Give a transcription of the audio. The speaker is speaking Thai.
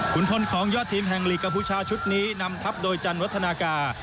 คุณพลของยอดทีมแห่งลีกกัมพูชาชุดนี้นำทัพโดยจันวัฒนากา